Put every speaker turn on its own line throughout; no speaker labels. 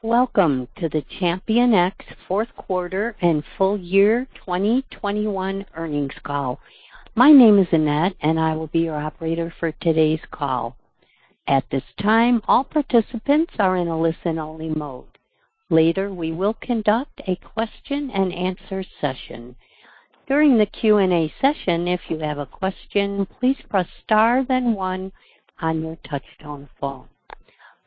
Welcome to the ChampionX Q4 and full year 2021 earnings call. My name is Annette, and I will be your operator for today's call. At this time, all participants are in a listen-only mode. Later, we will conduct a question-and-answer session. During the Q&A session, if you have a question, please press Star, then one on your touchtone phone.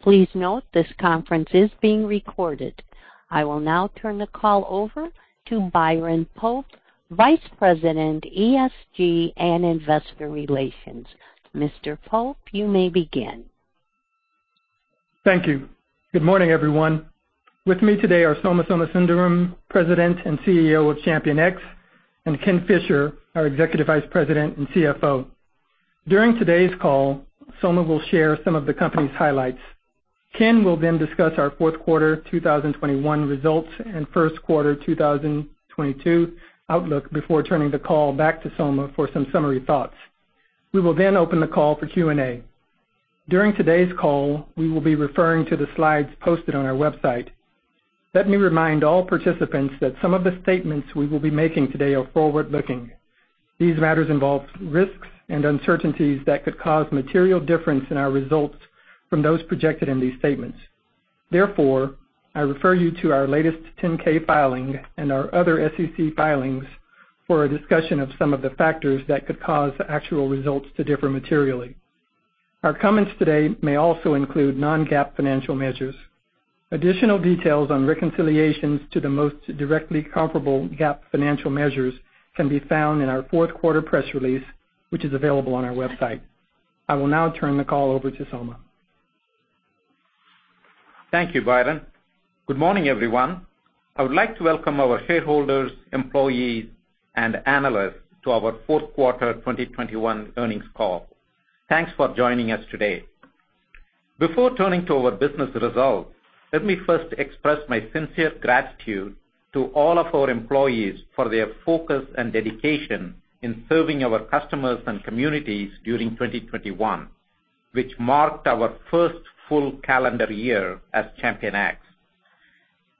Please note this conference is being recorded. I will now turn the call over to Byron Pope, Vice President, ESG and Investor Relations. Mr. Pope, you may begin.
Thank you. Good morning, everyone. With me today are Soma Somasundaram, President and CEO of ChampionX, and Ken Fisher, our Executive Vice President and CFO. During today's call, Soma will share some of the company's highlights. Ken will then discuss our Q4 2021 results and Q1 2022 outlook before turning the call back to Soma for some summary thoughts. We will then open the call for Q&A. During today's call, we will be referring to the slides posted on our website. Let me remind all participants that some of the statements we will be making today are forward-looking. These matters involve risks and uncertainties that could cause material difference in our results from those projected in these statements. Therefore, I refer you to our latest 10-K filing and our other SEC filings for a discussion of some of the factors that could cause actual results to differ materially. Our comments today may also include non-GAAP financial measures. Additional details on reconciliations to the most directly comparable GAAP financial measures can be found in our Q4 press release, which is available on our website. I will now turn the call over to Soma.
Thank you, Byron. Good morning, everyone. I would like to welcome our shareholders, employees, and analysts to our Q4 2021 earnings call. Thanks for joining us today. Before turning to our business results, let me first express my sincere gratitude to all of our employees for their focus and dedication in serving our customers and communities during 2021, which marked our first full calendar year as ChampionX.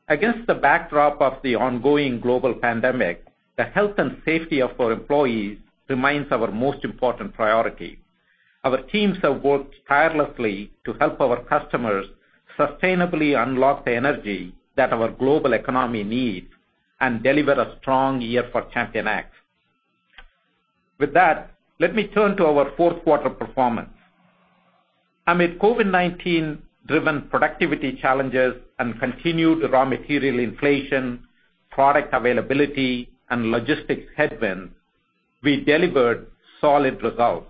Against the backdrop of the ongoing global pandemic, the health and safety of our employees remains our most important priority. Our teams have worked tirelessly to help our customers sustainably unlock the energy that our global economy needs and deliver a strong year for ChampionX. With that, let me turn to our Q4 performance. Amid COVID-19 driven productivity challenges and continued raw material inflation, product availability, and logistics headwinds, we delivered solid results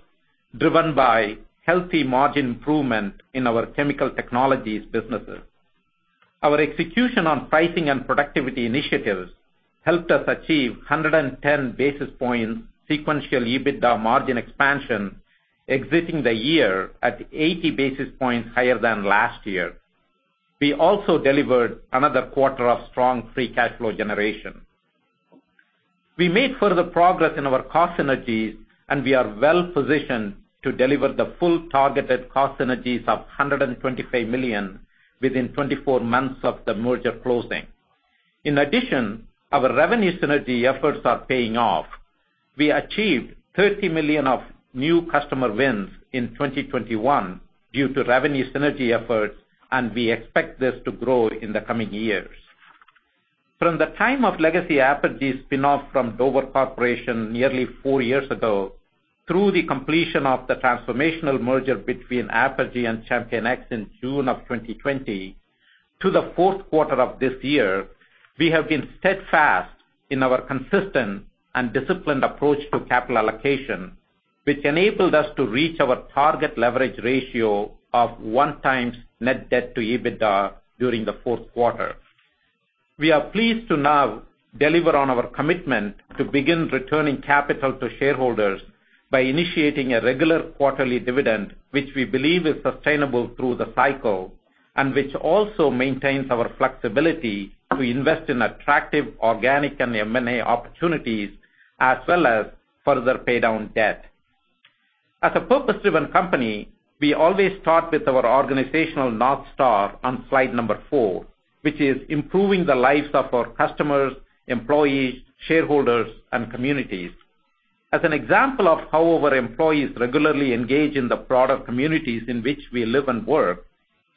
driven by healthy margin improvement in our chemical technologies businesses. Our execution on pricing and productivity initiatives helped us achieve 110 basis points sequential EBITDA margin expansion, exiting the year at 80 basis points higher than last year. We also delivered another quarter of strong free cash flow generation. We made further progress in our cost synergies, and we are well positioned to deliver the full targeted cost synergies of $125 million within 24 months of the merger closing. In addition, our revenue synergy efforts are paying off. We achieved $30 million of new customer wins in 2021 due to revenue synergy efforts, and we expect this to grow in the coming years. From the time of legacy Apergy spin-off from Dover Corporation nearly four years ago, through the completion of the transformational merger between Apergy and ChampionX in June 2020 to the Q4 of this year, we have been steadfast in our consistent and disciplined approach to capital allocation, which enabled us to reach our target leverage ratio of 1x net debt to EBITDA during the Q4. We are pleased to now deliver on our commitment to begin returning capital to shareholders by initiating a regular quarterly dividend, which we believe is sustainable through the cycle and which also maintains our flexibility to invest in attractive organic and M&A opportunities as well as further pay down debt. As a purpose-driven company, we always start with our organizational North Star on slide four, which is improving the lives of our customers, employees, shareholders, and communities. As an example of how our employees regularly engage in the broader communities in which we live and work,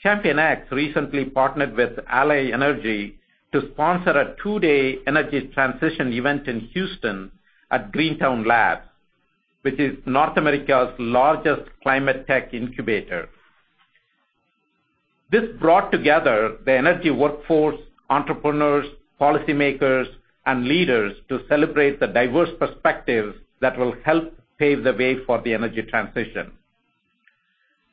ChampionX recently partnered with ALLY Energy to sponsor a two-day energy transition event in Houston at Greentown Labs, which is North America's largest climate tech incubator. This brought together the energy workforce, entrepreneurs, policymakers, and leaders to celebrate the diverse perspectives that will help pave the way for the energy transition.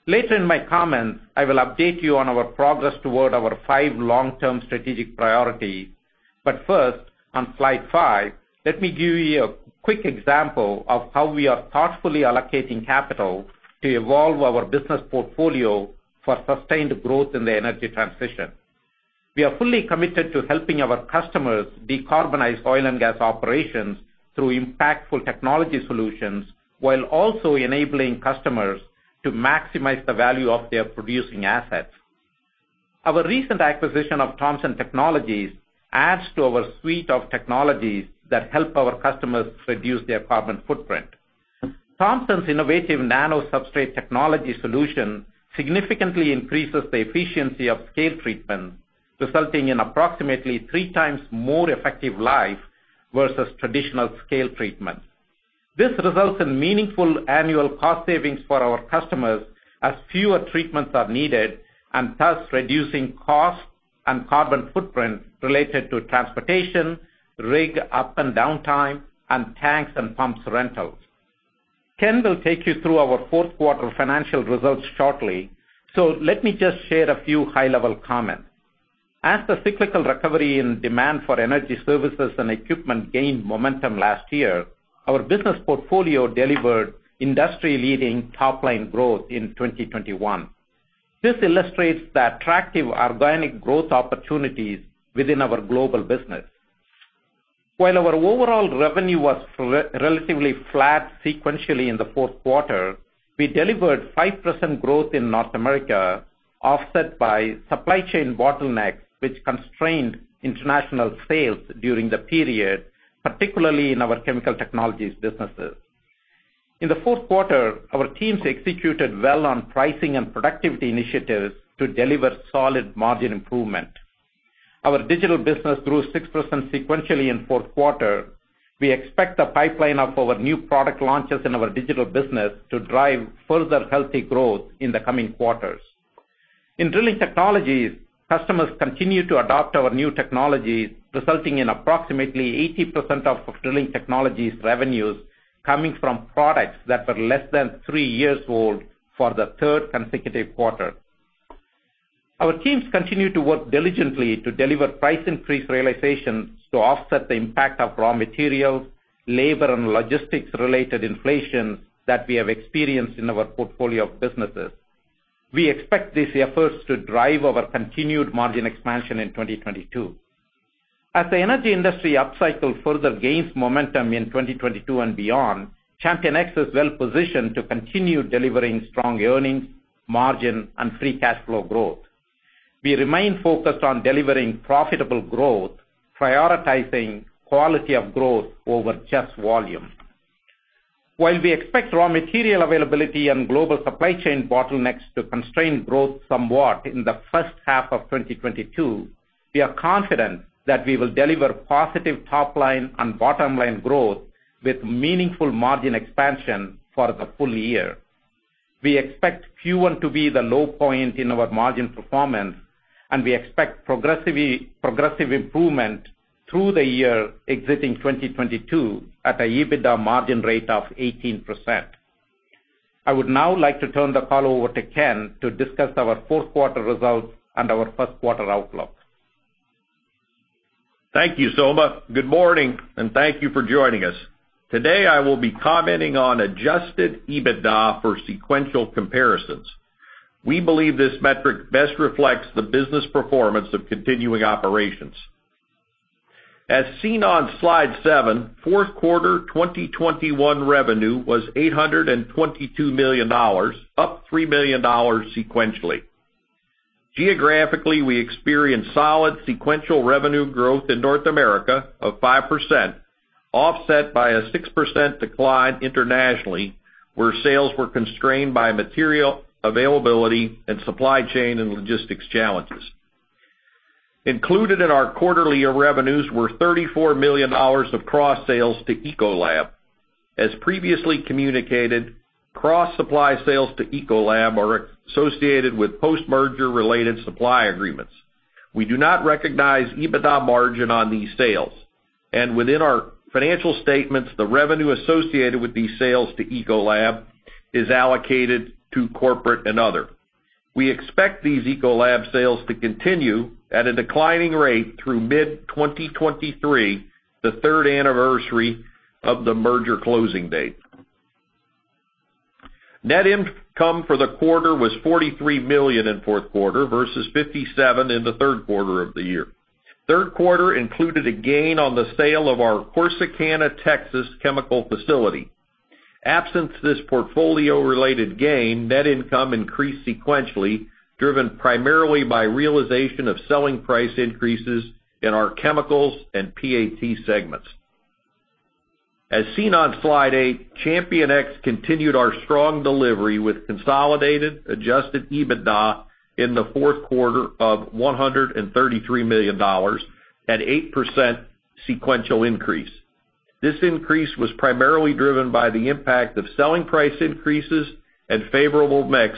Later in my comments, I will update you on our progress toward our five long-term strategic priority. First, on slide five, let me give you a quick example of how we are thoughtfully allocating capital to evolve our business portfolio for sustained growth in the energy transition. We are fully committed to helping our customers decarbonize oil and gas operations through impactful technology solutions, while also enabling customers to maximize the value of their producing assets. Our recent acquisition of Tomson Technologies adds to our suite of technologies that help our customers reduce their carbon footprint. Tomson's innovative nano-substrate technology solution significantly increases the efficiency of scale treatment, resulting in approximately three times more effective life versus traditional scale treatment. This results in meaningful annual cost savings for our customers as fewer treatments are needed and thus reducing costs and carbon footprint related to transportation, rig up and downtime, and tanks and pumps rentals. Ken will take you through our Q4 financial results shortly, so let me just share a few high-level comments. As the cyclical recovery in demand for energy services and equipment gained momentum last year, our business portfolio delivered industry-leading top line growth in 2021. This illustrates the attractive organic growth opportunities within our global business. While our overall revenue was relatively flat sequentially in the Q4, we delivered 5% growth in North America, offset by supply chain bottlenecks, which constrained international sales during the period, particularly in our chemical technologies businesses. In the Q4, our teams executed well on pricing and productivity initiatives to deliver solid margin improvement. Our digital business grew 6% sequentially in Q4. We expect the pipeline of our new product launches in our digital business to drive further healthy growth in the coming quarters. In Drilling Technologies, customers continue to adopt our new technologies, resulting in approximately 80% of Drilling Technologies revenues coming from products that are less than three years old for the third consecutive quarter. Our teams continue to work diligently to deliver price increase realizations to offset the impact of raw materials, labor, and logistics related inflation that we have experienced in our portfolio of businesses. We expect these efforts to drive our continued margin expansion in 2022. As the energy industry upcycle further gains momentum in 2022 and beyond, ChampionX is well positioned to continue delivering strong earnings, margin, and free cash flow growth. We remain focused on delivering profitable growth, prioritizing quality of growth over just volume. While we expect raw material availability and global supply chain bottlenecks to constrain growth somewhat in the first half of 2022, we are confident that we will deliver positive top line and bottom line growth with meaningful margin expansion for the full year. We expect Q1 to be the low point in our margin performance, and we expect progressive improvement through the year exiting 2022 at a EBITDA margin rate of 18%. I would now like to turn the call over to Ken to discuss our Q4 results and our Q1 outlook.
Thank you, Soma. Good morning, and thank you for joining us. Today, I will be commenting on adjusted EBITDA for sequential comparisons. We believe this metric best reflects the business performance of continuing operations. As seen on slide seven, Q4 2021 revenue was $822 million, up $3 million sequentially. Geographically, we experienced solid sequential revenue growth in North America of 5%, offset by a 6% decline internationally, where sales were constrained by material availability and supply chain and logistics challenges. Included in our quarterly revenues were $34 million of cross sales to Ecolab. As previously communicated, cross supply sales to Ecolab are associated with post-merger related supply agreements. We do not recognize EBITDA margin on these sales. Within our financial statements, the revenue associated with these sales to Ecolab is allocated to corporate and other. We expect these Ecolab sales to continue at a declining rate through mid-2023, the third anniversary of the merger closing date. Net income for the quarter was $43 million in Q4 versus $57 million in the Q3 of the year. Q3 included a gain on the sale of our Corsicana, Texas, chemical facility. Absent this portfolio-related gain, net income increased sequentially, driven primarily by realization of selling price increases in our chemicals and PAT segments. As seen on slide eight, ChampionX continued our strong delivery with consolidated adjusted EBITDA in the Q4 of $133 million at 8% sequential increase. This increase was primarily driven by the impact of selling price increases and favorable mix,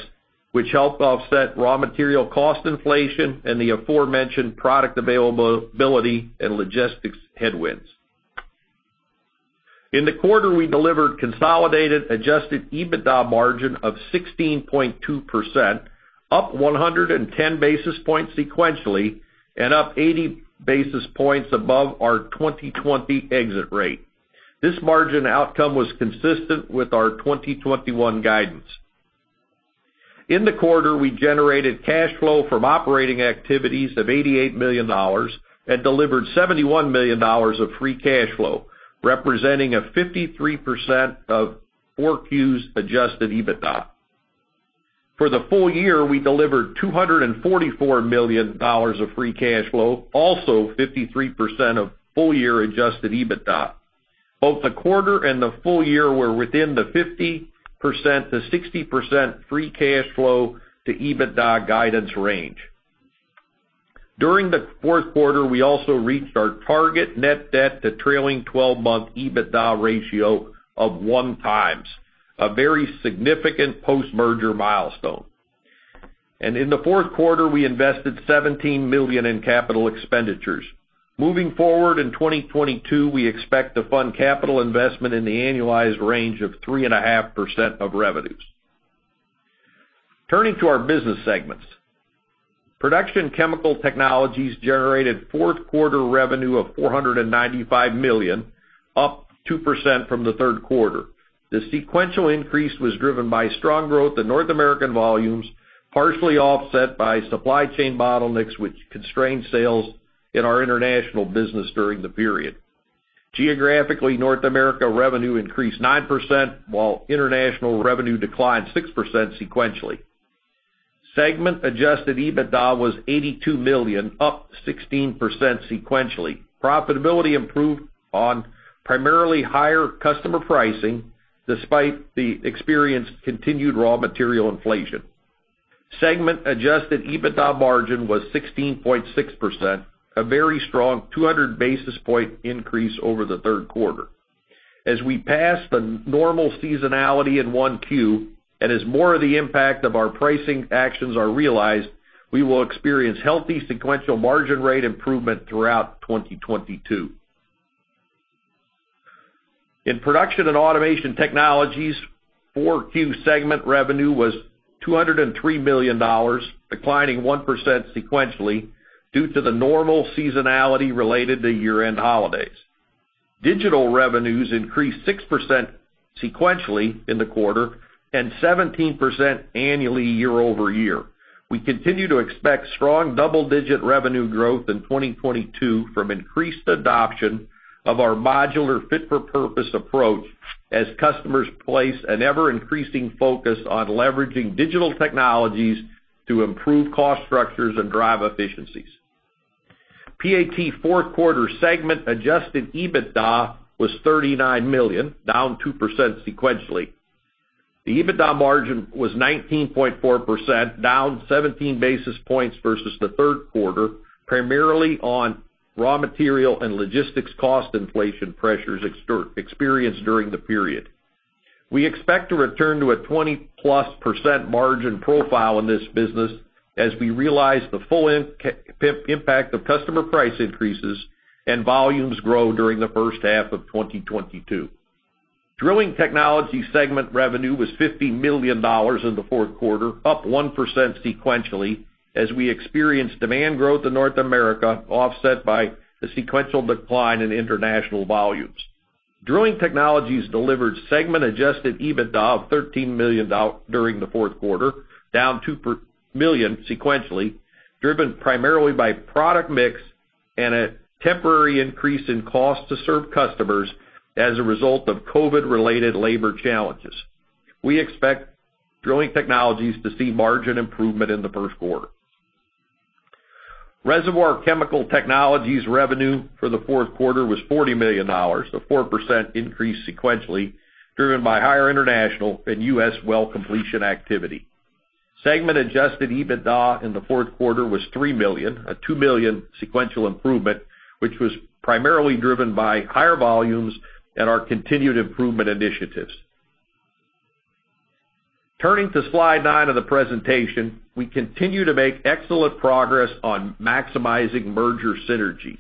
which helped offset raw material cost inflation and the aforementioned product availability and logistics headwinds. In the quarter, we delivered consolidated adjusted EBITDA margin of 16.2%, up 110 basis points sequentially and up 80 basis points above our 2020 exit rate. This margin outcome was consistent with our 2021 guidance. In the quarter, we generated cash flow from operating activities of $88 million and delivered $71 million of free cash flow, representing 53% of 4Q's adjusted EBITDA. For the full year, we delivered $244 million of free cash flow, also 53% of full-year adjusted EBITDA. Both the quarter and the full year were within the 50%-60% free cash flow to EBITDA guidance range. During the Q4, we also reached our target net debt to trailing twelve-month EBITDA ratio of 1x, a very significant post-merger milestone. In the Q4, we invested $17 million in capital expenditures. Moving forward, in 2022, we expect to fund capital investment in the annualized range of 3.5% of revenues. Turning to our business segments. Production Chemical Technologies generated Q4 revenue of $495 million, up 2% from the Q3. The sequential increase was driven by strong growth in North America volumes, partially offset by supply chain bottlenecks which constrained sales in our international business during the period. Geographically, North America revenue increased 9%, while international revenue declined 6% sequentially. Segment adjusted EBITDA was $82 million, up 16% sequentially. Profitability improved on primarily higher customer pricing despite experiencing continued raw material inflation. Segment adjusted EBITDA margin was 16.6%, a very strong 200 basis point increase over the Q3. As we pass the normal seasonality in 1Q, and as more of the impact of our pricing actions are realized, we will experience healthy sequential margin rate improvement throughout 2022. In Production & Automation Technologies, 4Q segment revenue was $203 million, declining 1% sequentially due to the normal seasonality related to year-end holidays. Digital revenues increased 6% sequentially in the quarter and 17% annually year-over-year. We continue to expect strong double-digit revenue growth in 2022 from increased adoption of our modular fit-for-purpose approach as customers place an ever-increasing focus on leveraging digital technologies to improve cost structures and drive efficiencies. PAT Q4 segment adjusted EBITDA was $39 million, down 2% sequentially. The EBITDA margin was 19.4%, down 17 basis points versus the Q3, primarily on raw material and logistics cost inflation pressures experienced during the period. We expect to return to a 20%+ margin profile in this business as we realize the full impact of customer price increases and volumes grow during the first half of 2022. Drilling Technologies segment revenue was $50 million in the Q4, up 1% sequentially as we experienced demand growth in North America, offset by the sequential decline in international volumes. Drilling Technologies delivered segment adjusted EBITDA of $13 million during the Q4, down $2 million sequentially, driven primarily by product mix and a temporary increase in cost to serve customers as a result of COVID-related labor challenges. We expect Drilling Technologies to see margin improvement in the Q1. Reservoir Chemical Technologies revenue for the Q4 was $40 million, a 4% increase sequentially, driven by higher international and U.S. well completion activity. Segment adjusted EBITDA in the Q4 was $3 million, a $2 million sequential improvement, which was primarily driven by higher volumes and our continued improvement initiatives. Turning to slide nine of the presentation, we continue to make excellent progress on maximizing merger synergies.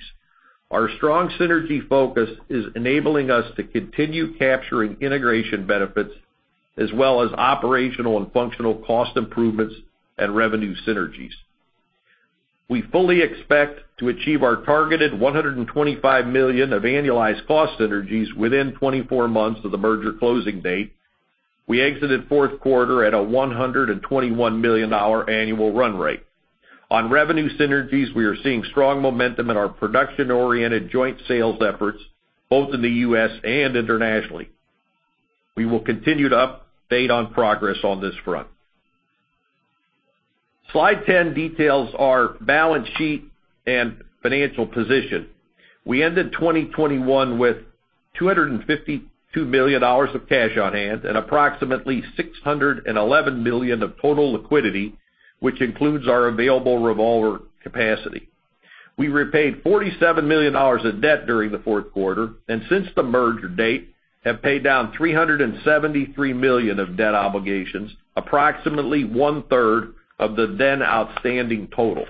Our strong synergy focus is enabling us to continue capturing integration benefits as well as operational and functional cost improvements and revenue synergies. We fully expect to achieve our targeted $125 million of annualized cost synergies within 24 months of the merger closing date. We exited Q4 at a $121 million annual run rate. On revenue synergies, we are seeing strong momentum in our production-oriented joint sales efforts, both in the U.S. and internationally. We will continue to update on progress on this front. Slide 10 details our balance sheet and financial position. We ended 2021 with $252 million of cash on hand and approximately $611 million of total liquidity, which includes our available revolver capacity. We repaid $47 million of debt during the Q4, and since the merger date, have paid down $373 million of debt obligations, approximately one-third of the then outstanding total.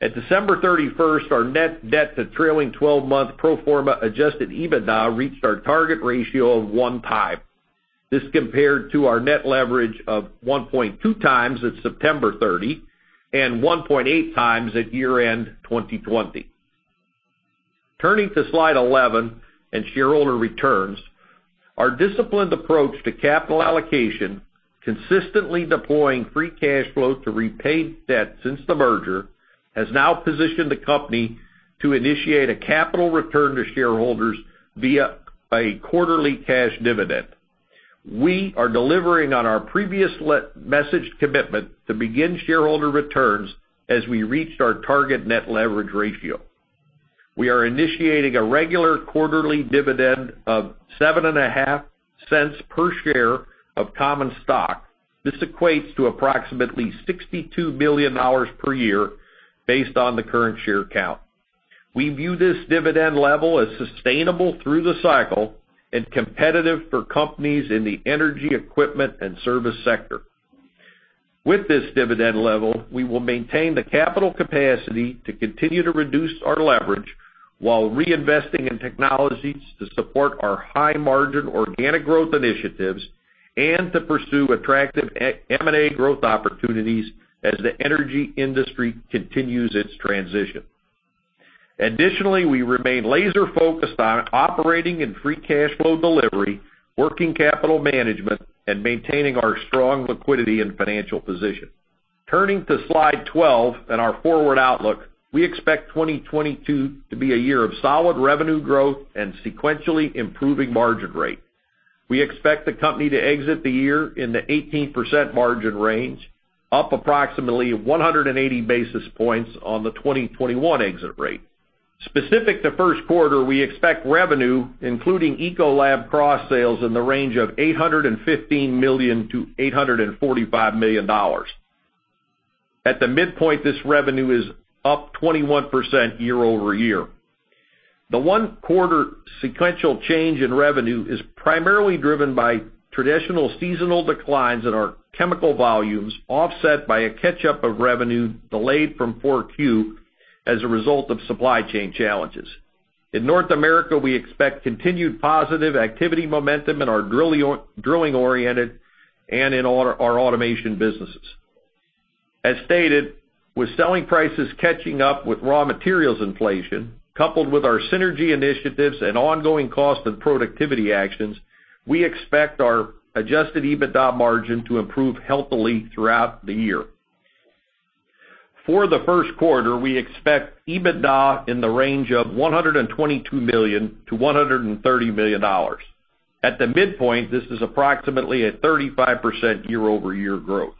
At December 31, our net debt to trailing twelve-month pro forma adjusted EBITDA reached our target ratio of 1x. This compared to our net leverage of 1.2 times at September 30 and 1.8 times at year-end 2020. Turning to slide 11 and shareholder returns. Our disciplined approach to capital allocation, consistently deploying free cash flow to repay debt since the merger, has now positioned the company to initiate a capital return to shareholders via a quarterly cash dividend. We are delivering on our previous commitment to begin shareholder returns as we reached our target net leverage ratio. We are initiating a regular quarterly dividend of $0.075 per share of common stock. This equates to approximately $62 million per year based on the current share count. We view this dividend level as sustainable through the cycle and competitive for companies in the energy equipment and service sector. With this dividend level, we will maintain the capital capacity to continue to reduce our leverage while reinvesting in technologies to support our high margin organic growth initiatives and to pursue attractive M&A growth opportunities as the energy industry continues its transition. Additionally, we remain laser focused on operating in free cash flow delivery, working capital management, and maintaining our strong liquidity and financial position. Turning to slide 12 and our forward outlook. We expect 2022 to be a year of solid revenue growth and sequentially improving margin rate. We expect the company to exit the year in the 18% margin range, up approximately 180 basis points on the 2021 exit rate. Specific to Q1, we expect revenue, including Ecolab cross sales, in the range of $815 million-$845 million. At the midpoint, this revenue is up 21% year-over-year. The one quarter sequential change in revenue is primarily driven by traditional seasonal declines in our chemical volumes, offset by a catch-up of revenue delayed from Q4 as a result of supply chain challenges. In North America, we expect continued positive activity momentum in our drilling oriented and in our automation businesses. As stated, with selling prices catching up with raw materials inflation, coupled with our synergy initiatives and ongoing cost and productivity actions, we expect our adjusted EBITDA margin to improve healthily throughout the year. For the Q1, we expect EBITDA in the range of $122 million-$130 million. At the midpoint, this is approximately a 35% year-over-year growth.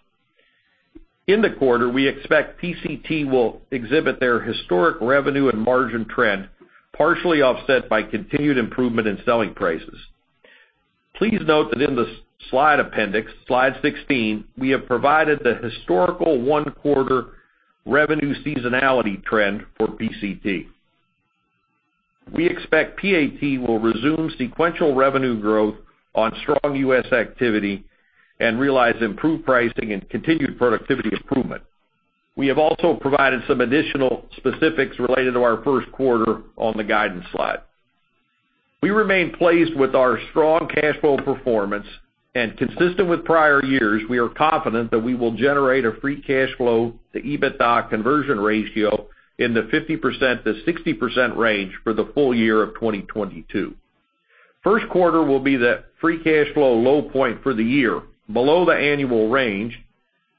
In the quarter, we expect PCT will exhibit their historic revenue and margin trend, partially offset by continued improvement in selling prices. Please note that in the slides appendix, slide 16, we have provided the historical one quarter revenue seasonality trend for PCT. We expect PAT will resume sequential revenue growth on strong U.S. activity and realize improved pricing and continued productivity improvement. We have also provided some additional specifics related to our Q1 on the guidance slide. We remain pleased with our strong cash flow performance and consistent with prior years, we are confident that we will generate a free cash flow to EBITDA conversion ratio in the 50%-60% range for the full year of 2022. Q1 will be the free cash flow low point for the year, below the annual range,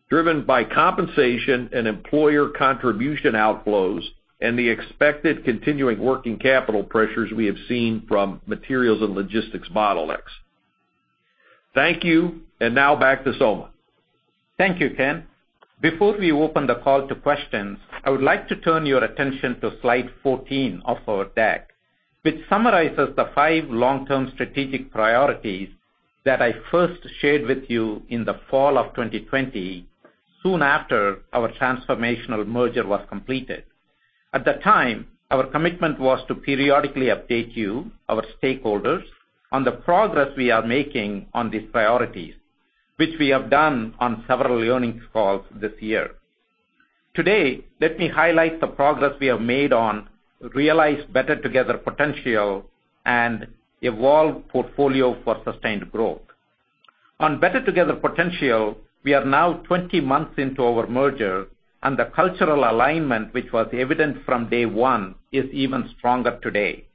driven by compensation and employer contribution outflows and the expected continuing working capital pressures we have seen from materials and logistics bottlenecks. Thank you. Now back to Soma.
Thank you, Ken. Before we open the call to questions, I would like to turn your attention to slide 14 of our deck, which summarizes the five long-term strategic priorities that I first shared with you in the fall of 2020, soon after our transformational merger was completed. At the time, our commitment was to periodically update you, our stakeholders, on the progress we are making on these priorities, which we have done on several earnings calls this year. Today, let me highlight the progress we have made on Realize Better Together Potential and Evolve Portfolio for Sustained Growth. On Better Together Potential, we are now 20 months into our merger, and the cultural alignment, which was evident from day one, is even stronger today.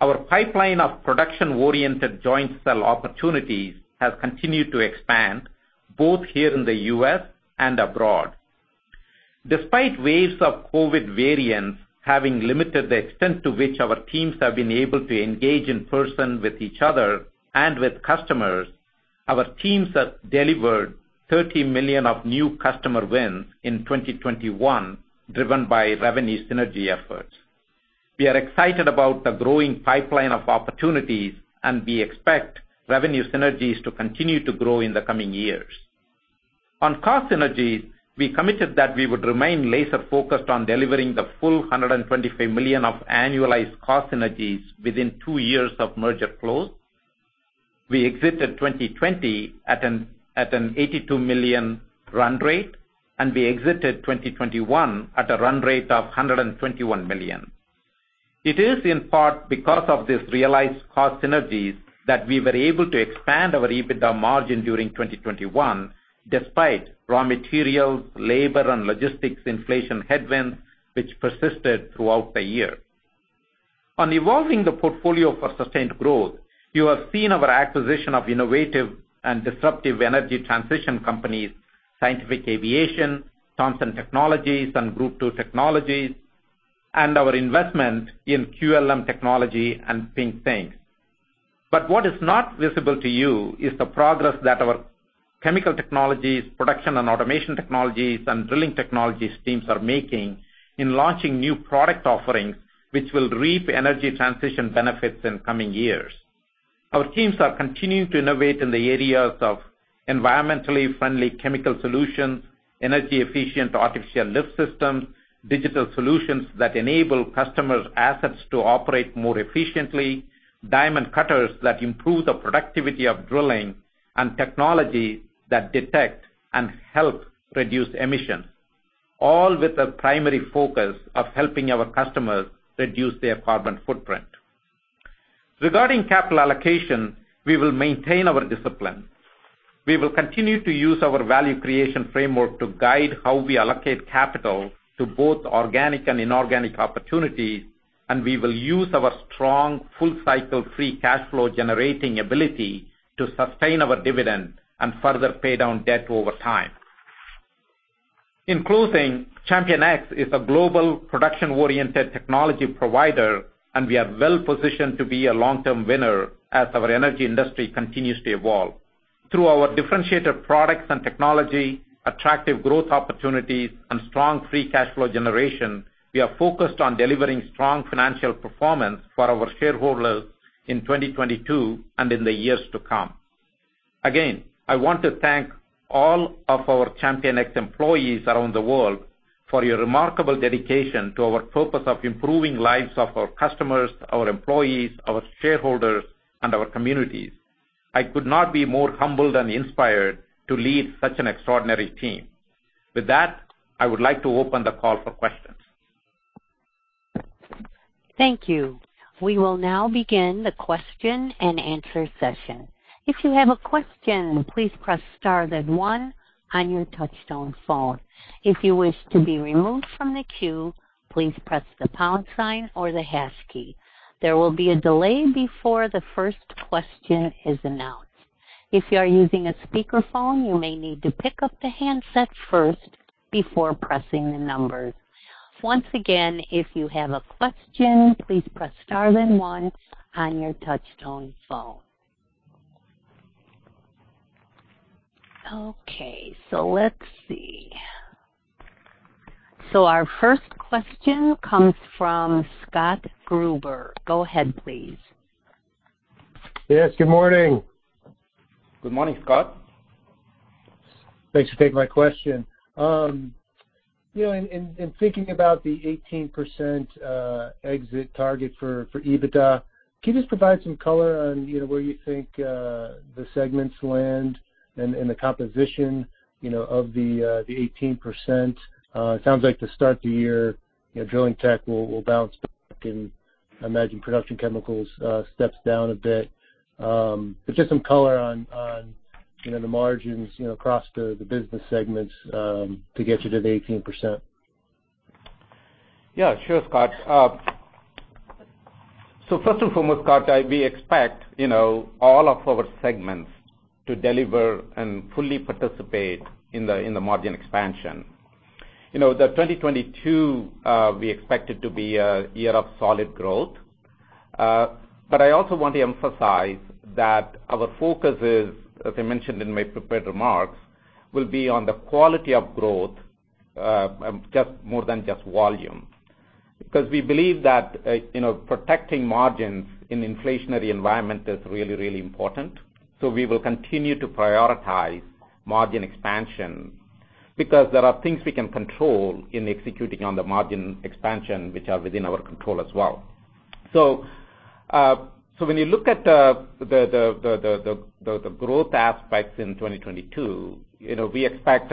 Our pipeline of production-oriented joint sell opportunities has continued to expand both here in the U.S. and abroad. Despite waves of COVID variants having limited the extent to which our teams have been able to engage in person with each other and with customers, our teams have delivered $30 million of new customer wins in 2021, driven by revenue synergy efforts. We are excited about the growing pipeline of opportunities, and we expect revenue synergies to continue to grow in the coming years. On cost synergies, we committed that we would remain laser focused on delivering the full $125 million of annualized cost synergies within two years of merger close. We exited 2020 at an $82 million run rate, and we exited 2021 at a run rate of $121 million. It is in part because of this realized cost synergies that we were able to expand our EBITDA margin during 2021, despite raw materials, labor, and logistics inflation headwinds which persisted throughout the year. On evolving the portfolio for sustained growth, you have seen our acquisition of innovative and disruptive energy transition companies, Scientific Aviation, Tomson Technologies, and Group Two Technologies, and our investment in QLM Technology and Pink Petro. What is not visible to you is the progress that our chemical technologies, Production & Automation Technologies, and Drilling Technologies teams are making in launching new product offerings, which will reap energy transition benefits in coming years. Our teams are continuing to innovate in the areas of environmentally friendly chemical solutions, energy efficient artificial lift systems, digital solutions that enable customers' assets to operate more efficiently, diamond cutters that improve the productivity of drilling, and technology that detects and helps reduce emissions, all with the primary focus of helping our customers reduce their carbon footprint. Regarding capital allocation, we will maintain our discipline. We will continue to use our value creation framework to guide how we allocate capital to both organic and inorganic opportunities, and we will use our strong full cycle free cash flow generating ability to sustain our dividend and further pay down debt over time. In closing, ChampionX is a global production-oriented technology provider, and we are well positioned to be a long-term winner as our energy industry continues to evolve. Through our differentiated products and technology, attractive growth opportunities, and strong free cash flow generation, we are focused on delivering strong financial performance for our shareholders in 2022 and in the years to come. Again, I want to thank all of our ChampionX employees around the world for your remarkable dedication to our purpose of improving lives of our customers, our employees, our shareholders, and our communities. I could not be more humbled and inspired to lead such an extraordinary team. With that, I would like to open the call for questions.
Thank you. We will now begin the question and answer session. If you have a question, please press star then one on your touchtone phone. If you wish to be removed from the queue, please press the pound sign or the hash key. There will be a delay before the first question is announced. If you are using a speakerphone, you may need to pick up the handset first before pressing the numbers. Once again, if you have a question, please press star then one on your touchtone phone. Okay, let's see. Our first question comes from Scott Gruber. Go ahead, please.
Yes, good morning.
Good morning, Scott.
Thanks for taking my question. You know, in thinking about the 18% exit target for EBITDA, can you just provide some color on, you know, where you think the segments land and the composition, you know, of the 18%? It sounds like to start the year, you know, drilling tech will bounce back, and I imagine production chemicals steps down a bit. Just some color on, you know, the margins, you know, across the business segments to get you to the 18%.
Yeah, sure, Scott. First and foremost, Scott, we expect all of our segments to deliver and fully participate in the margin expansion. 2022, we expect it to be a year of solid growth. I also want to emphasize that our focus is, as I mentioned in my prepared remarks, will be on the quality of growth, just more than just volume. Because we believe that protecting margins in inflationary environment is really, really important. We will continue to prioritize margin expansion because there are things we can control in executing on the margin expansion which are within our control as well. When you look at the growth aspects in 2022, you know, we expect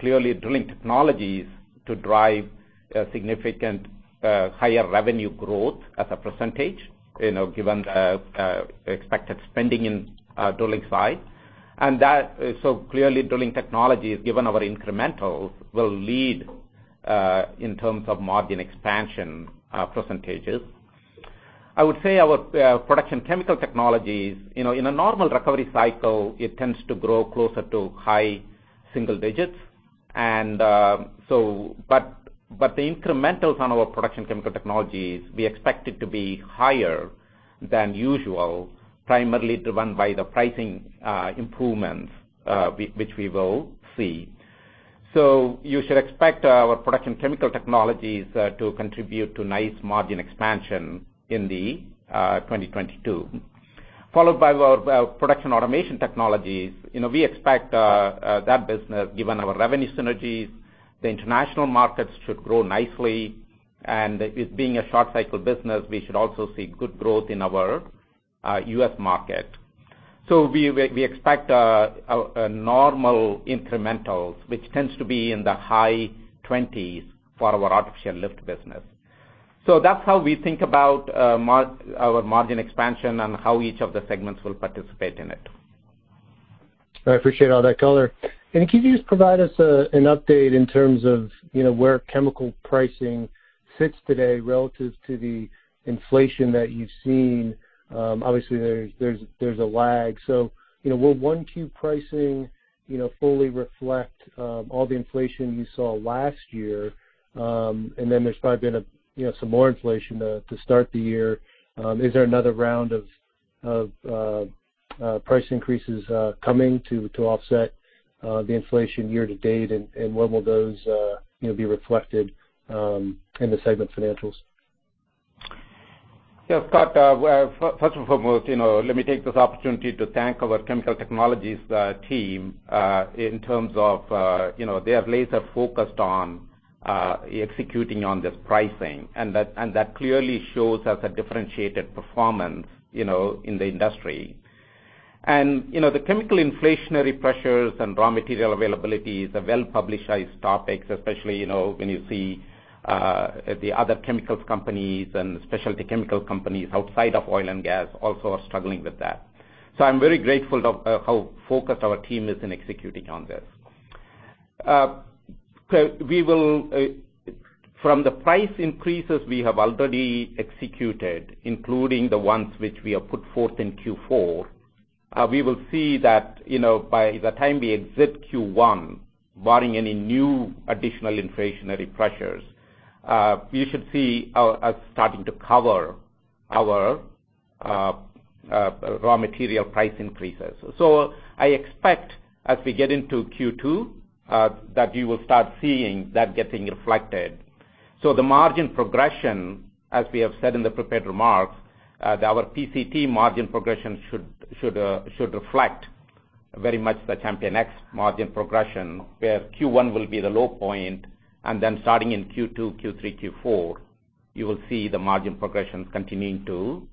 clearly Drilling Technologies to drive a significant higher revenue growth as a percentage, you know, given the expected spending in drilling side. Clearly Drilling Technologies, given our incrementals, will lead in terms of margin expansion percentages. I would say our Production Chemical Technologies, you know, in a normal recovery cycle, it tends to grow closer to high single digits. The incrementals on our Production Chemical Technologies, we expect it to be higher than usual, primarily driven by the pricing improvements which we will see. You should expect our Production Chemical Technologies to contribute to nice margin expansion in the 2022. Followed by our Production & Automation Technologies. You know, we expect that business, given our revenue synergies, the international markets should grow nicely, and it being a short cycle business, we should also see good growth in our U.S. market. We expect a normal incrementals, which tends to be in the high 20s% for our artificial lift business. That's how we think about our margin expansion and how each of the segments will participate in it.
I appreciate all that color. Can you just provide us an update in terms of, you know, where chemical pricing sits today relative to the inflation that you've seen? Obviously, there's a lag. You know, will 1Q pricing, you know, fully reflect all the inflation you saw last year? Then there's probably been some more inflation to start the year. Is there another round of price increases coming to offset the inflation year to date? When will those, you know, be reflected in the segment financials?
Yeah, Scott, well, first and foremost, you know, let me take this opportunity to thank our chemical technologies team, in terms of, you know, they are laser focused on executing on this pricing. That clearly shows us a differentiated performance, you know, in the industry. You know, the chemical inflationary pressures and raw material availability is a well-publicized topic, especially, you know, when you see the other chemicals companies and specialty chemical companies outside of oil and gas also are struggling with that. I'm very grateful of how focused our team is in executing on this. From the price increases we have already executed, including the ones which we have put forth in Q4, we will see that, you know, by the time we exit Q1, barring any new additional inflationary pressures, you should see us starting to cover our raw material price increases. I expect as we get into Q2, that you will start seeing that getting reflected. The margin progression, as we have said in the prepared remarks, that our PCT margin progression should reflect very much the ChampionX margin progression, where Q1 will be the low point, and then starting in Q2, Q3, Q4, you will see the margin progressions continuing to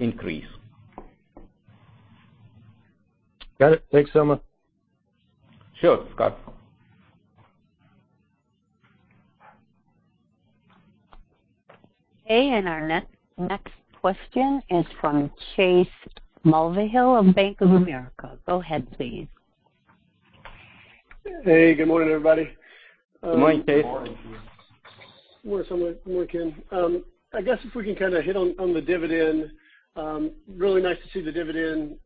increase.
Got it. Thanks, Soma.
Sure, Scott.
Our next question is from Chase Mulvehill of Bank of America. Go ahead, please.
Hey, good morning, everybody.
Good morning, Chase.
Good morning, Chase.
Morning, Soma. Good morning, Ken. I guess if we can kinda hit on the dividend, really nice to see the dividend,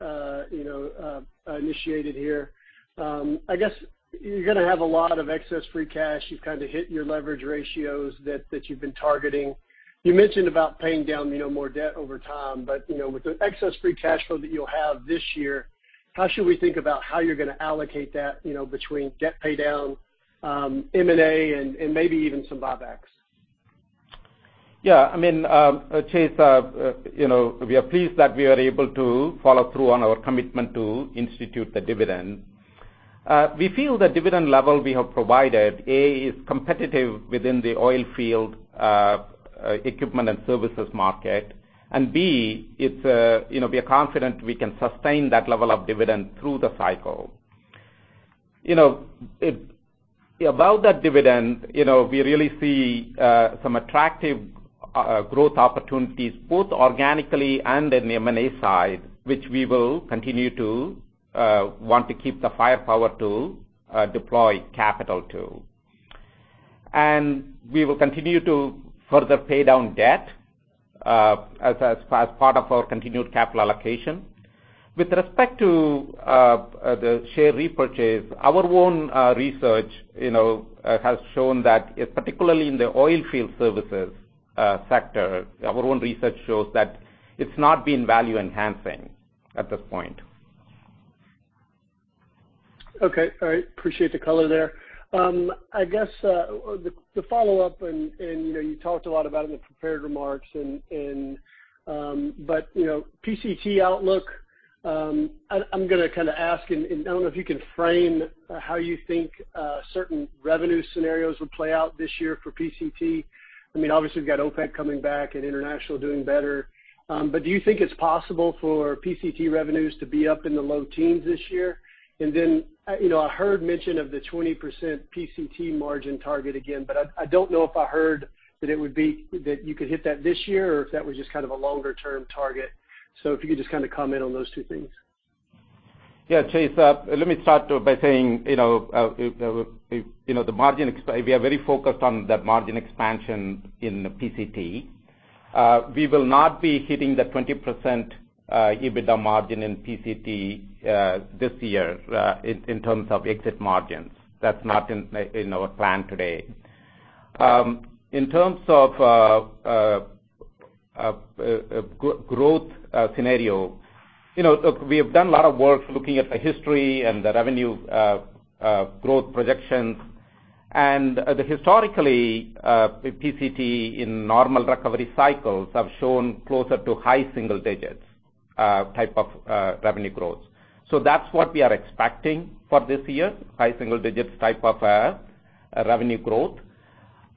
you know, initiated here. I guess you're gonna have a lot of excess free cash. You've kinda hit your leverage ratios that you've been targeting. You mentioned about paying down, you know, more debt over time, but, you know, with the excess free cash flow that you'll have this year, how should we think about how you're gonna allocate that, you know, between debt pay down, M&A and maybe even some buybacks?
Yeah. I mean, Chase, you know, we are pleased that we are able to follow through on our commitment to institute the dividend. We feel the dividend level we have provided, A, is competitive within the oilfield equipment and services market, and B, it's, you know, we are confident we can sustain that level of dividend through the cycle. You know, about that dividend, you know, we really see some attractive growth opportunities, both organically and in the M&A side, which we will continue to want to keep the firepower to deploy capital to. We will continue to further pay down debt as part of our continued capital allocation. With respect to the share repurchase, our own research, you know, has shown that particularly in the oilfield services sector, our own research shows that it's not been value enhancing at this point.
Okay. All right. Appreciate the color there. I guess the follow-up, and you know, you talked a lot about it in the prepared remarks, but you know, PCT outlook. I'm gonna kinda ask, and I don't know if you can frame how you think certain revenue scenarios will play out this year for PCT. I mean, obviously, we've got OPEC coming back and international doing better. Do you think it's possible for PCT revenues to be up in the low teens this year? Then, you know, I heard mention of the 20% PCT margin target again, but I don't know if I heard that it would be that you could hit that this year or if that was just kind of a longer-term target. If you could just kinda comment on those two things.
Yeah, Chase. Let me start by saying, you know, you know, the margin expansion—we are very focused on the margin expansion in PCT. We will not be hitting the 20% EBITDA margin in PCT this year in terms of exit margins. That's not in our plan today. In terms of growth scenario, you know, look, we have done a lot of work looking at the history and the revenue growth projections. Historically, PCT in normal recovery cycles have shown closer to high single digits type of revenue growth. That's what we are expecting for this year, high single digits type of revenue growth.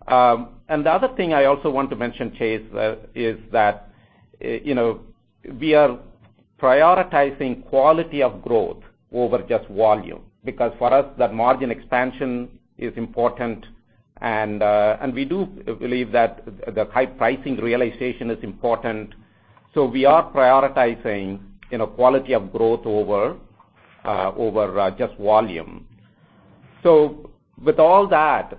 The other thing I also want to mention, Chase, is that, you know, we are prioritizing quality of growth over just volume, because for us, that margin expansion is important. We do believe that the high pricing realization is important. We are prioritizing, you know, quality of growth over just volume. With all that,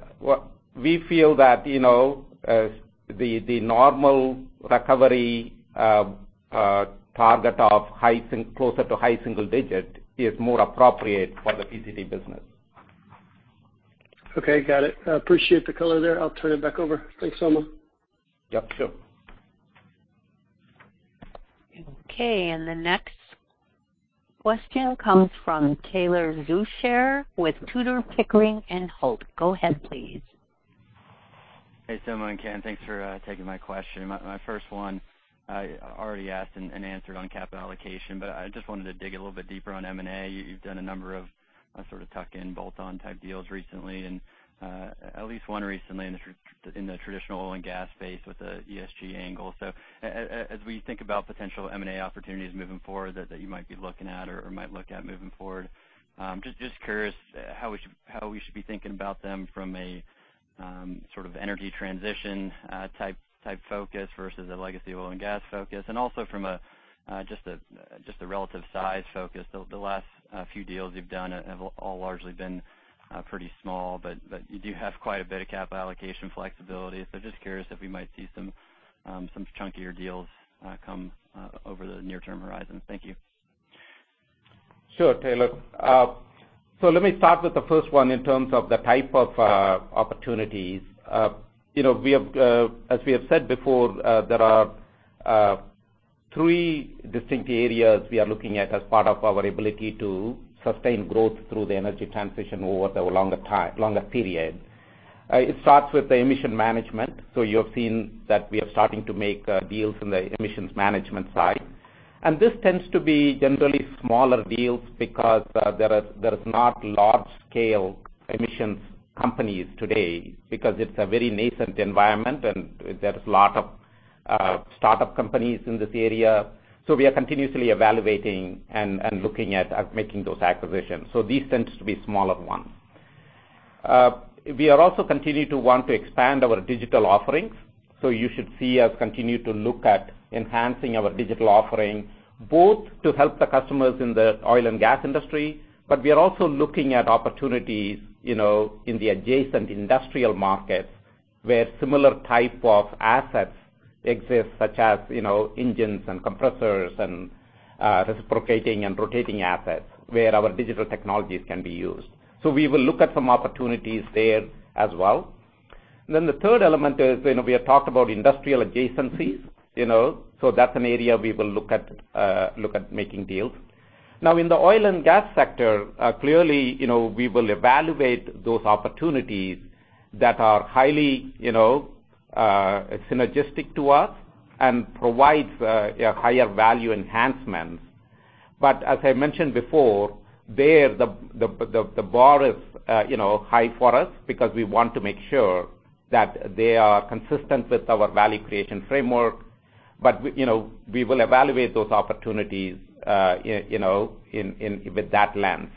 we feel that, you know, the normal recovery target closer to high single digit is more appropriate for the PCT business.
Okay, got it. I appreciate the color there. I'll turn it back over. Thanks, Soma.
Yep, sure.
Okay. The next question comes from Taylor Zurcher with Tudor, Pickering, Holt & Co. Go ahead, please.
Hey, Soma and Ken. Thanks for taking my question. My first one already asked and answered on capital allocation, but I just wanted to dig a little bit deeper on M&A. You've done a number of sort of tuck-in, bolt-on type deals recently, and at least one recently in the traditional oil and gas space with a ESG angle. As we think about potential M&A opportunities moving forward that you might be looking at or might look at moving forward, just curious how we should be thinking about them from a sort of energy transition type focus versus a legacy oil and gas focus. Also from a relative size focus. The last few deals you've done have all largely been pretty small, but you do have quite a bit of capital allocation flexibility. Just curious if we might see some chunkier deals come over the near-term horizon. Thank you.
Sure, Taylor. Let me start with the first one in terms of the type of opportunities. You know, as we have said before, there are three distinct areas we are looking at as part of our ability to sustain growth through the energy transition over the longer period. It starts with the emission management. You've seen that we are starting to make deals in the emissions management side. This tends to be generally smaller deals because there is not large scale emissions companies today because it's a very nascent environment, and there is a lot of start-up companies in this area. We are continuously evaluating and looking at making those acquisitions. These tends to be smaller ones. We are also continue to want to expand our digital offerings, so you should see us continue to look at enhancing our digital offering, both to help the customers in the oil and gas industry, but we are also looking at opportunities, you know, in the adjacent industrial markets where similar type of assets exist, such as, you know, engines and compressors and, reciprocating and rotating assets where our digital technologies can be used. We will look at some opportunities there as well. The third element is, you know, we have talked about industrial adjacencies, you know. That's an area we will look at making deals. Now, in the oil and gas sector, clearly, you know, we will evaluate those opportunities that are highly, you know, synergistic to us and provides higher value enhancements. As I mentioned before, the bar is you know high for us because we want to make sure that they are consistent with our value creation framework. You know, we will evaluate those opportunities you know with that lens.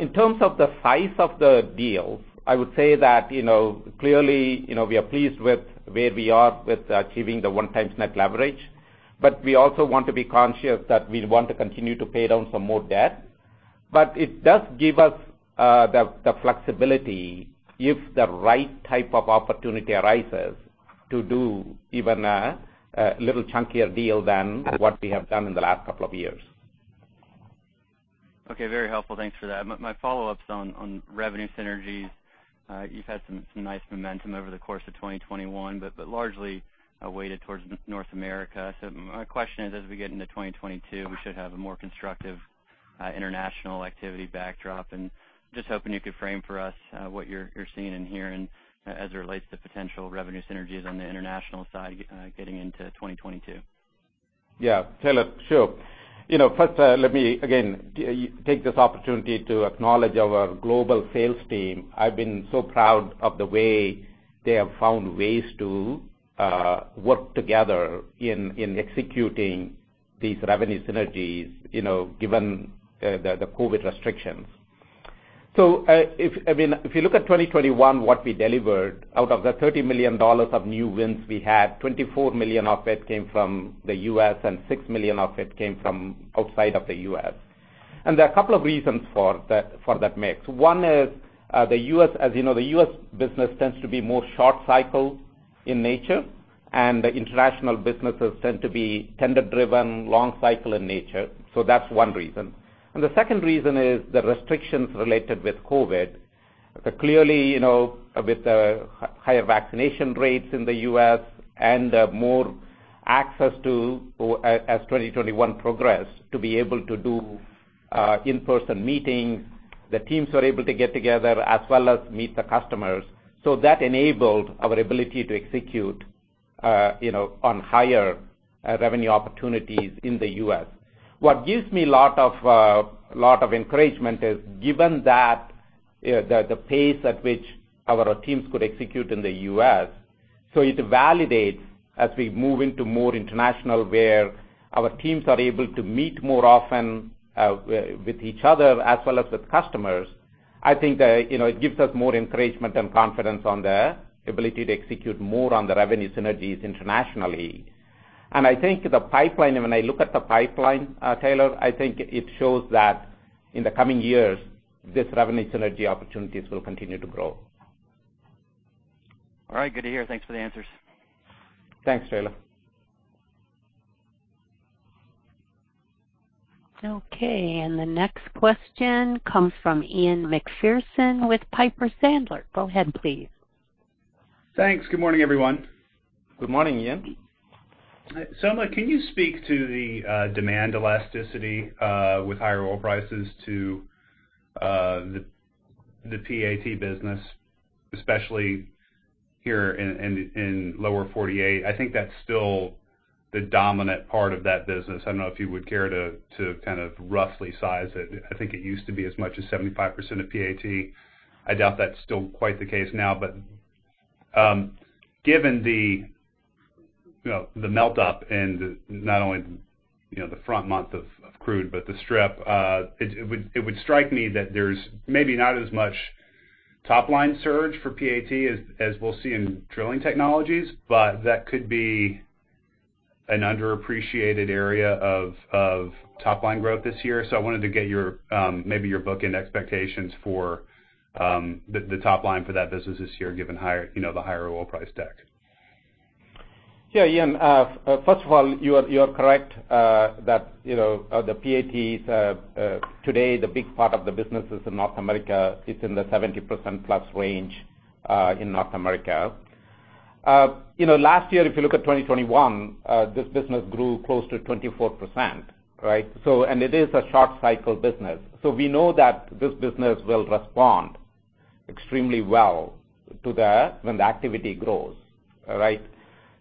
In terms of the size of the deals, I would say that you know clearly you know we are pleased with where we are with achieving the 1x net leverage, but we also want to be conscious that we want to continue to pay down some more debt. It does give us the flexibility if the right type of opportunity arises to do even a little chunkier deal than what we have done in the last couple of years.
Okay, very helpful. Thanks for that. My follow-up's on revenue synergies. You've had some nice momentum over the course of 2021, but largely weighted towards North America. My question is, as we get into 2022, we should have a more constructive international activity backdrop. Just hoping you could frame for us what you're seeing and hearing as it relates to potential revenue synergies on the international side getting into 2022.
Yeah. Taylor, sure. You know, first, let me again take this opportunity to acknowledge our global sales team. I've been so proud of the way they have found ways to work together in executing these revenue synergies, you know, given the COVID restrictions. I mean, if you look at 2021, what we delivered out of the $30 million of new wins, we had $24 million of it came from the U.S., and $6 million of it came from outside of the U.S. There are a couple of reasons for that mix. One is the U.S. As you know, the U.S. business tends to be more short cycle in nature, and the international businesses tend to be tender-driven, long cycle in nature. That's one reason. The second reason is the restrictions related with COVID. Clearly, you know, with the higher vaccination rates in the U.S. and more access to, as 2021 progressed, to be able to do in-person meetings, the teams were able to get together as well as meet the customers. That enabled our ability to execute, you know, on higher revenue opportunities in the U.S. What gives me a lot of encouragement is given that the pace at which our teams could execute in the U.S. It validates as we move into more international where our teams are able to meet more often with each other as well as with customers. I think that, you know, it gives us more encouragement and confidence on the ability to execute more on the revenue synergies internationally. I think the pipeline, when I look at the pipeline, Taylor, I think it shows that in the coming years, this revenue synergy opportunities will continue to grow.
All right. Good to hear. Thanks for the answers.
Thanks, Taylor.
Okay. The next question comes from Ian Macpherson with Piper Sandler. Go ahead, please.
Thanks. Good morning, everyone.
Good morning, Ian.
Can you speak to the demand elasticity with higher oil prices to the PAT business, especially here in lower 48? I think that's still the dominant part of that business. I don't know if you would care to kind of roughly size it. I think it used to be as much as 75% of PAT. I doubt that's still quite the case now. Given the you know the melt up and not only the front month of crude but the strip, it would strike me that there's maybe not as much top line surge for PAT as we'll see in Drilling Technologies. That could be an underappreciated area of top line growth this year. I wanted to get your maybe your bookend expectations for the top line for that business this year, given higher you know the higher oil price deck.
Yeah, Ian. First of all, you are correct that you know the PAT is today the big part of the business is in North America. It's in the 70%+ range in North America. You know, last year, if you look at 2021, this business grew close to 24%, right? It is a short cycle business. We know that this business will respond extremely well to when the activity grows, right?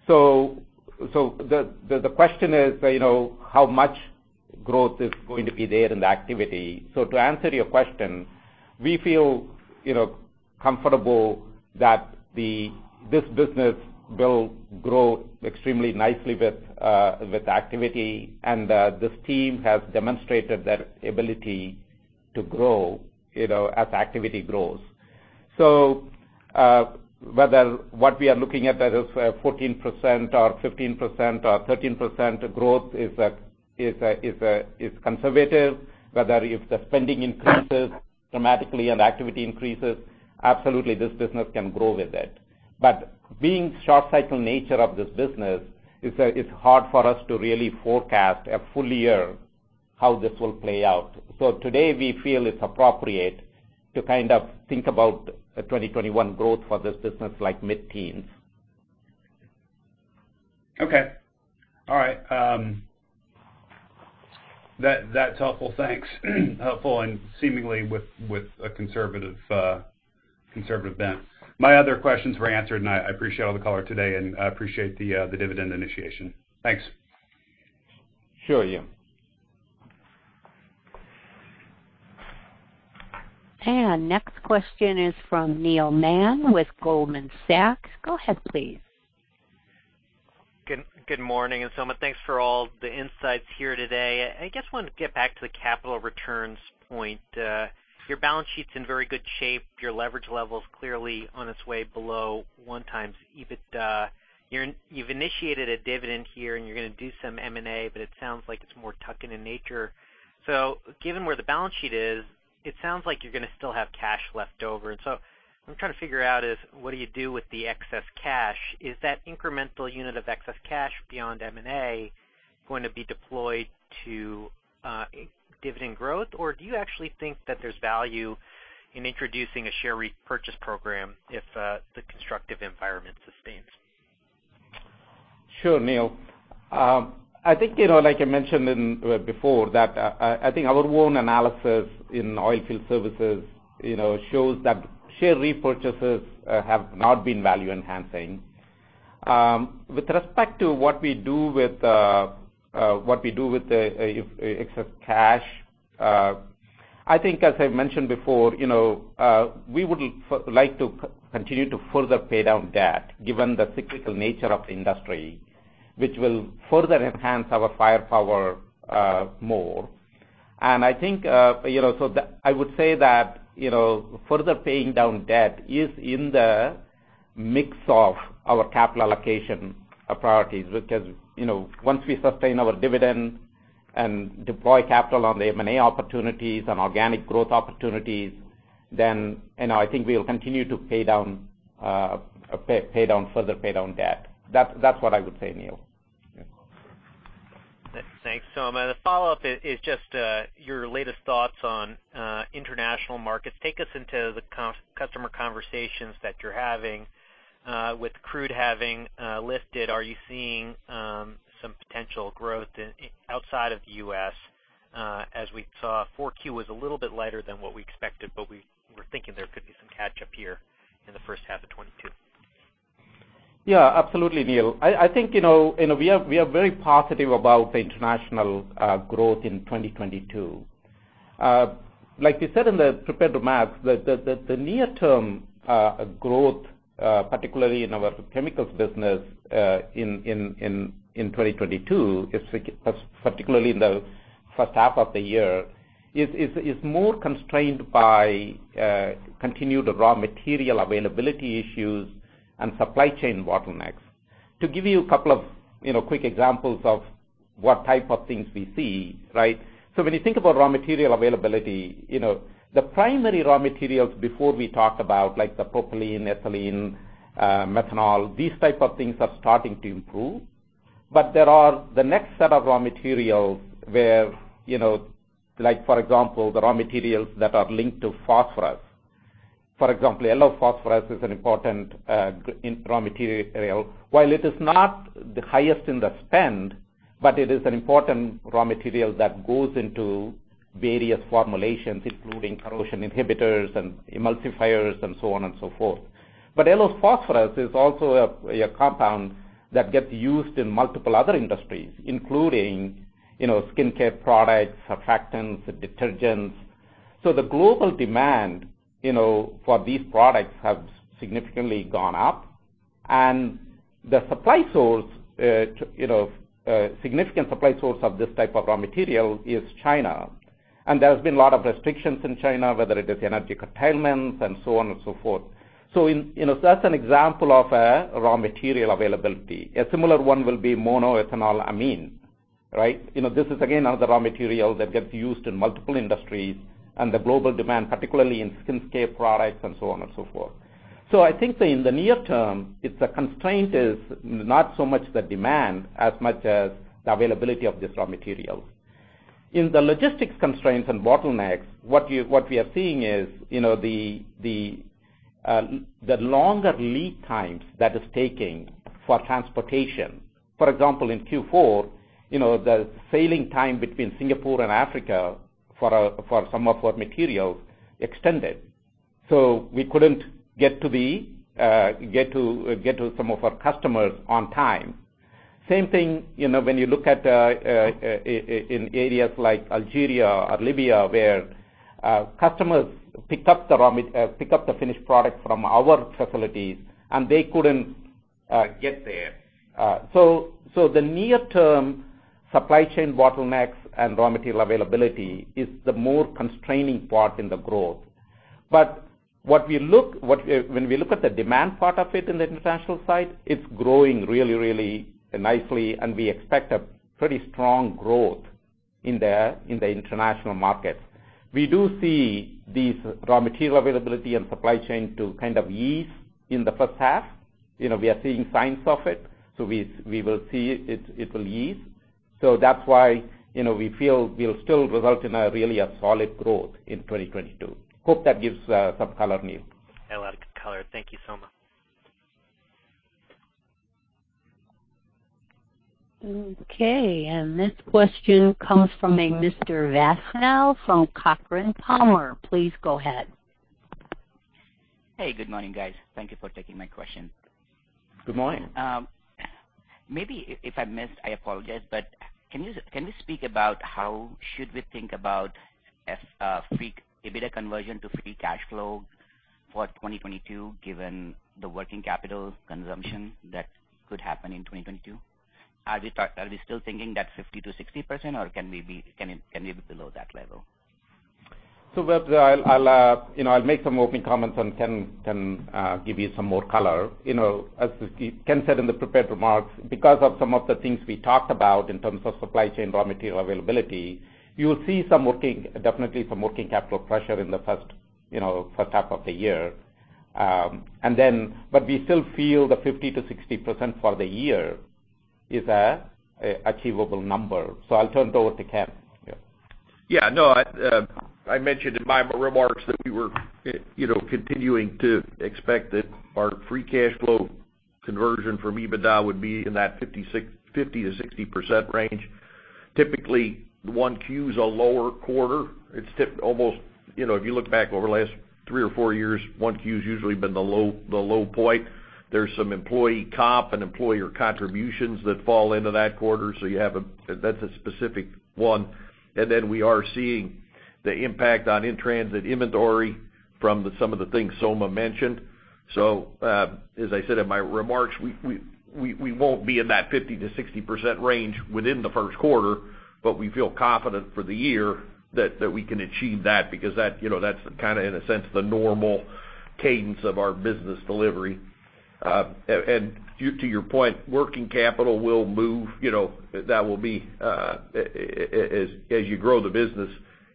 The question is you know how much growth is going to be there in the activity. To answer your question, we feel you know comfortable that this business will grow extremely nicely with activity. This team has demonstrated their ability to grow you know as activity grows. Whether what we are looking at that is 14% or 15% or 13% growth is conservative, whether if the spending increases dramatically and activity increases, absolutely this business can grow with it. Being short cycle nature of this business is hard for us to really forecast a full year how this will play out. Today, we feel it's appropriate to kind of think about a 2021 growth for this business like mid-teens.
Okay. All right. That’s helpful. Thanks. Helpful and seemingly with a conservative bent. My other questions were answered, and I appreciate all the color today, and I appreciate the dividend initiation. Thanks.
Sure, Ian.
Next question is from Neil Mehta with Goldman Sachs. Go ahead, please.
Good morning, Soma. Thanks for all the insights here today. I just wanted to get back to the capital returns point. Your balance sheet's in very good shape. Your leverage level is clearly on its way below one times EBITDA. You've initiated a dividend here, and you're gonna do some M&A, but it sounds like it's more tuck-in in nature. Given where the balance sheet is, it sounds like you're gonna still have cash left over. What I'm trying to figure out is what do you do with the excess cash? Is that incremental unit of excess cash beyond M&A going to be deployed to dividend growth? Or do you actually think that there's value in introducing a share repurchase program if the constructive environment sustains?
Sure, Neil. I think, you know, like I mentioned before that, I think our own analysis in oilfield services, you know, shows that share repurchases have not been value enhancing. With respect to what we do with excess cash, I think as I mentioned before, you know, we would like to continue to further pay down debt given the cyclical nature of the industry, which will further enhance our firepower more. I think, you know, I would say that, you know, further paying down debt is in the mix of our capital allocation priorities, because, you know, once we sustain our dividend and deploy capital on the M&A opportunities and organic growth opportunities, then, you know, I think we'll continue to pay down further debt. That's what I would say, Neil. Yeah.
Thanks, Soma. The follow-up is just your latest thoughts on international markets. Take us into the customer conversations that you're having with crude having lifted. Are you seeing some potential growth outside of the U.S. as we saw Q4 was a little bit lighter than what we expected, but we were thinking there could be some catch-up here in the first half of 2022.
Yeah, absolutely, Neil. I think, you know, we are very positive about the international growth in 2022. Like we said in the prepared remarks that the near-term growth, particularly in our chemicals business, in 2022, particularly in the first half of the year, is more constrained by continued raw material availability issues and supply chain bottlenecks. To give you a couple of, you know, quick examples of what type of things we see, right? So when you think about raw material availability, you know, the primary raw materials before we talked about like the propylene, ethylene, methanol, these type of things are starting to improve. But there are the next set of raw materials where, you know, like for example, the raw materials that are linked to phosphorus. For example, yellow phosphorus is an important raw material. While it is not the highest in the spend, but it is an important raw material that goes into various formulations, including corrosion inhibitors and emulsifiers and so on and so forth. Yellow phosphorus is also a compound that gets used in multiple other industries, including, you know, skincare products, surfactants, detergents. The global demand, you know, for these products have significantly gone up. The supply source, you know, significant supply source of this type of raw material is China. There's been a lot of restrictions in China, whether it is energy curtailments and so on and so forth. You know, that's an example of a raw material availability. A similar one will be monoethanolamine, right? You know, this is again another raw material that gets used in multiple industries and the global demand, particularly in skincare products and so on and so forth. I think that in the near term, it's a constraint is not so much the demand as much as the availability of these raw materials. In the logistics constraints and bottlenecks, what we are seeing is, you know, the longer lead times that it's taking for transportation. For example, in Q4, you know, the sailing time between Singapore and Africa for some of our materials extended. We couldn't get to some of our customers on time. Same thing, you know, when you look at in areas like Algeria or Libya, where customers pick up the finished product from our facilities, and they couldn't get there. The near-term supply chain bottlenecks and raw material availability is the more constraining part in the growth. But what we look when we look at the demand part of it in the international side, it's growing really, really nicely, and we expect a pretty strong growth in the international markets. We do see these raw material availability and supply chain to kind of ease in the first half. You know, we are seeing signs of it. We will see it will ease. That's why, you know, we feel we'll still result in a really solid growth in 2022. Hope that gives some color, Neil.
A lot of color. Thank you, Soma.
Okay. This question comes from Mr. Waqar Syed from ATB Capital Markets. Please go ahead.
Hey, good morning, guys. Thank you for taking my question.
Good morning.
Maybe if I missed, I apologize, but can you speak about how should we think about free EBITDA conversion to free cash flow for 2022, given the working capital consumption that could happen in 2022? Are we still thinking that 50%-60%, or can it be below that level?
Waqar, I'll make some opening comments, and Ken can give you some more color. As Ken said in the prepared remarks, because of some of the things we talked about in terms of supply chain raw material availability, you'll see some working capital pressure, definitely, in the first half of the year. We still feel the 50%-60% for the year is achievable number. I'll turn it over to Ken. Yeah.
Yeah, no, I mentioned in my remarks that we were, you know, continuing to expect that our free cash flow conversion from EBITDA would be in that 50%-60% range. Typically, Q1 is a lower quarter. It's almost, you know, if you look back over the last three or four years, Q1's usually been the low point. There's some employee comp and employer contributions that fall into that quarter. That's a specific one. We are seeing the impact on in-transit inventory from some of the things Soma mentioned. As I said in my remarks, we won't be in that 50%-60% range within the Q1, but we feel confident for the year that we can achieve that because that, you know, that's kind of, in a sense, the normal cadence of our business delivery. And to your point, working capital will move, you know, that will be, as you grow the business,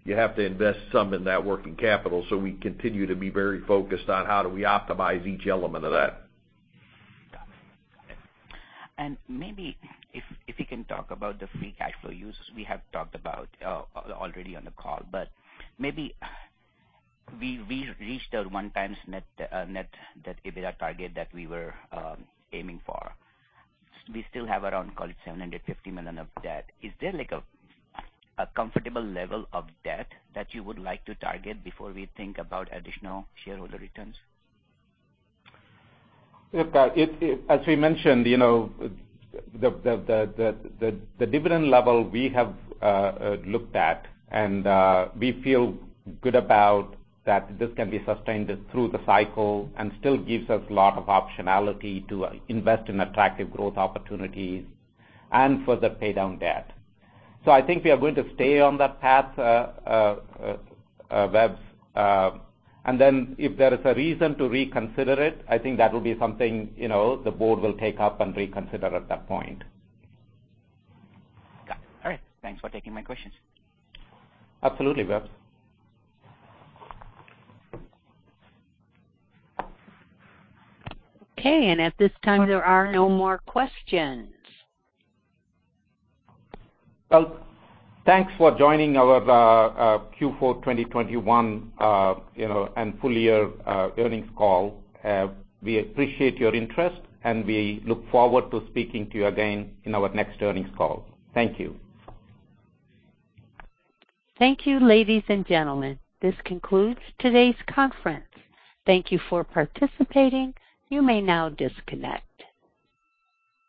you have to invest some in that working capital. We continue to be very focused on how do we optimize each element of that.
Got it. Maybe if you can talk about the free cash flow uses we have talked about already on the call, but maybe we reached our 1x net debt to EBITDA target that we were aiming for. We still have around, call it $750 million of debt. Is there like a comfortable level of debt that you would like to target before we think about additional shareholder returns?
Look, Waqar, as we mentioned, you know, the dividend level we have looked at and we feel good about that this can be sustained through the cycle and still gives us lot of optionality to invest in attractive growth opportunities and further pay down debt. I think we are going to stay on that path, Waqar. Then if there is a reason to reconsider it, I think that will be something, you know, the board will take up and reconsider at that point.
Got it. All right. Thanks for taking my questions.
Absolutely, Waqar Syed.
Okay. At this time, there are no more questions.
Well, thanks for joining our Q4 2021, you know, and full year earnings call. We appreciate your interest, and we look forward to speaking to you again in our next earnings call. Thank you.
Thank you, ladies and gentlemen. This concludes today's conference. Thank you for participating. You may now disconnect.